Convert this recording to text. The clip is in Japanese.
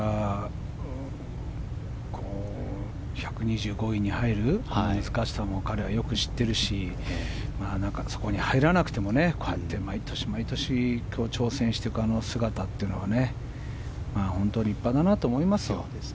１２５位に入る難しさも彼はよく知っているしそこに入らなくても毎年、毎年、挑戦していく姿は本当に立派だなと思いますよ。